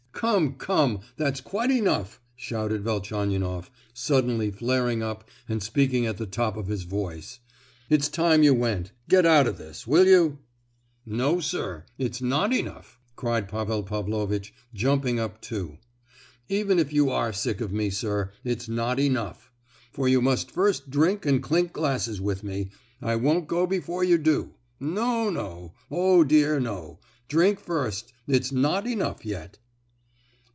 "Come, come, that's quite enough!" shouted Velchaninoff, suddenly flaring up and speaking at the top of his voice. "It's time you went; get out of this, will you?" "No, sir, it's not enough!" cried Pavel Pavlovitch, jumping up, too. "Even if you are sick of me, sir, it's not enough; for you must first drink and clink glasses with me. I won't go before you do! No, no; oh dear no! drink first; it's not enough yet."